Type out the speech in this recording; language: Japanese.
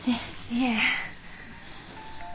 いえ。